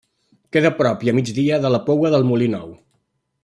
Queda a prop i a migdia de la Poua del Molí Nou.